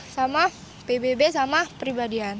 sama pbb sama pribadian